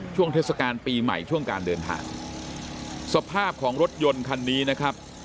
เทศกาลปีใหม่ช่วงการเดินทางสภาพของรถยนต์คันนี้นะครับ